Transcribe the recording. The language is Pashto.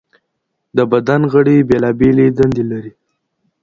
د بدن غړي بېلابېلې دندې لري.